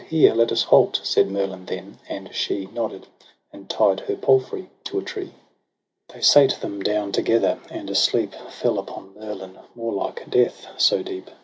' Here let us halt,' said Merlin then ; and she Nodded, and tied her palfrey to a tree. They sate them down together, and a sleep Fell upon Merlin, more like death, so deep.